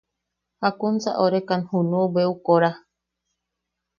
¿Jakunsa orekan junu bweʼu kora?